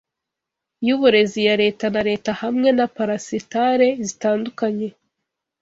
yuburezi ya leta na leta hamwe na parasitale zitandukanye